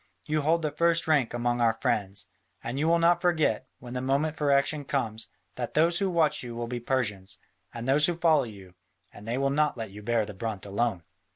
You hold the first rank among our friends. And you will not forget, when the moment for action comes, that those who watch you will be Persians, and those who follow you, and they will not let you bear the brunt alone."